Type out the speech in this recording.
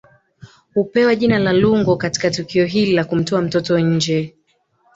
Hupewa jina la Lungo Katika tukio hili la kumtoa mtoto nje